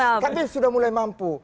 tapi sudah mulai mampu